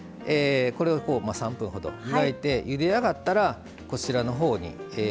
これを３分ほど湯がいてゆで上がったら、こちらのほうに。